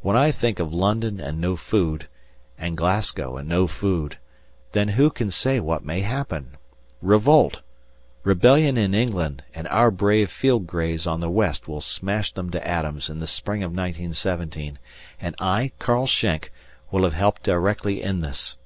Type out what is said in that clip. When I think of London and no food, and Glasgow and no food, then who can say what will happen? Revolt! rebellion in England, and our brave field greys on the west will smash them to atoms in the spring of 1917, and I, Karl Schenk, will have helped directly in this!